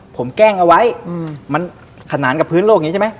ผมแกล้งเอาไว้มันขนานกับพื้นโลกอย่างนี้ใช่ไหม